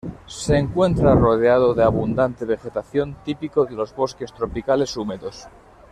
Se encuentra rodeado de abundante vegetación típico de los bosques tropicales húmedos.